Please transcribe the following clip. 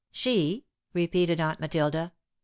"She?" repeated Aunt Matilda.